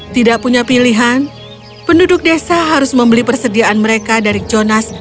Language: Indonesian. tidak punya pilihan penduduk desa harus membeli persediaan mereka dari jonas